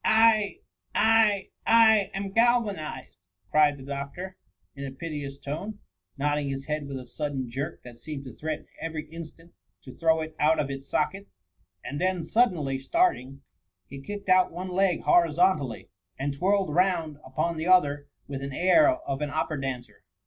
<« I — I — I am galvanized," cried the doctor, in a piteous tone ; nodding his head with a sudden jerki that seemed to threaten every instant to 112 THE MUMMY. throw it oiit of its socket ; and then, suddenly starting, he kicked out one leg horizontally, and twirled round upon the other with an air of an opera dancer.